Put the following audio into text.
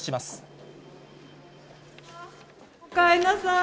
おかえりなさい。